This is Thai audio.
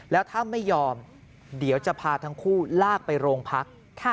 แล้วถ้าไม่ยอมเดี๋ยวจะพาทั้งคู่ลากไปโรงพัก